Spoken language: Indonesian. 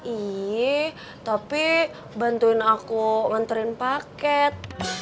iya tapi bantuin aku nganterin paket